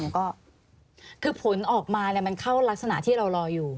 ก็คือผลออกมามันเข้ารักษณะที่เรารออยู่